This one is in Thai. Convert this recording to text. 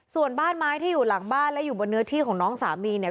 ส่วนบ้านไม้ที่อยู่หลังบ้านและอยู่บนเนื้อที่ของน้องสามีเนี่ย